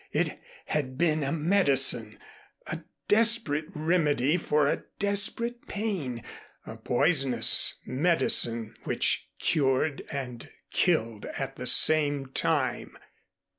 It had been a medicine, a desperate remedy for a desperate pain, a poisonous medicine which cured and killed at the same time.